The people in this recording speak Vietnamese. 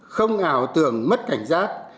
không ảo tưởng mất cảnh giác